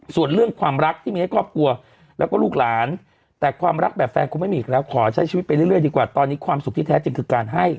ส่วนเรื่องความรักที่มีให้ครอบครัวแล้วก็ลูกหลานแต่ความรักแบบแฟนคงไม่มีอีกแล้วขอใช้ชีวิตไปเรื่อยดีกว่าตอนนี้ความสุขที่แท้จริงคือการให้